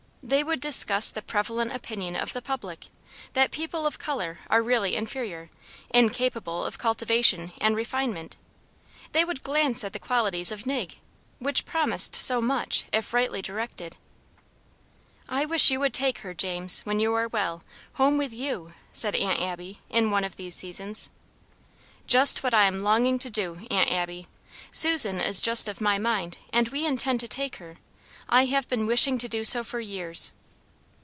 They would discuss the prevalent opinion of the public, that people of color are really inferior; incapable of cultivation and refinement. They would glance at the qualities of Nig, which promised so much if rightly directed. "I wish you would take her, James, when you are well, home with YOU," said Aunt Abby, in one of these seasons. "Just what I am longing to do, Aunt Abby. Susan is just of my mind, and we intend to take her; I have been wishing to do so for years."